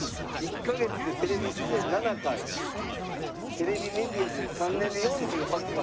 「１ヶ月でテレビ出演７回」「テレビメディア３年で４８回新聞で６回」